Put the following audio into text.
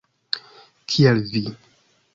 Kiel vi!